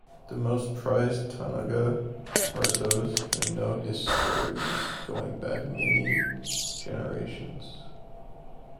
The most prized taonga are those with known histories going back many generations.